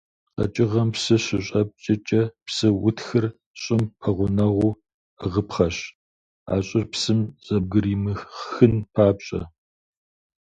Къэкӏыгъэм псы щыщӏэпкӏэкӏэ псы утхыр щӏым пэгъунэгъуу ӏыгъыпхъэщ, а щӏыр псым зэбгыримыхын папщӏэ.